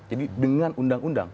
jadi dengan undang undang